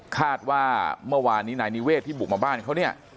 คาดว่าเมื่อวานนี้นายนิเวศที่บุกมาบ้านเขาเนี่ย